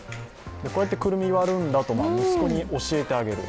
こうやってクルミを割るんだと息子に教えてあげる。